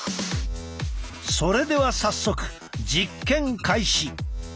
それでは早速実験開始。